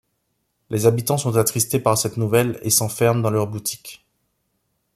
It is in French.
Les habitants sont attristés par cette nouvelle et s’enferme dans leurs boutiques.